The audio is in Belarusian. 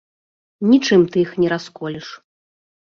Нічым ты іх не расколеш.